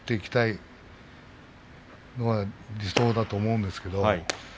それが理想だと思うんですけど。